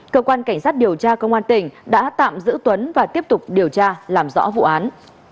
cơ quan cảnh sát điều tra công an tỉnh đã tạm giữ tuấn và tiếp tục điều tra làm rõ vụ án